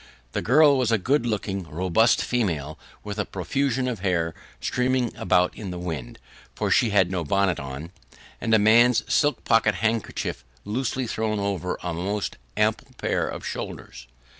The girl was a good looking, robust female, with a profusion of hair streaming about in the wind for she had no bonnet on and a man's silk pocket handkerchief loosely thrown over a most ample pair of shoulders.